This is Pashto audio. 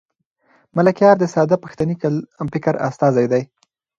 ملکیار د ساده پښتني فکر استازی دی.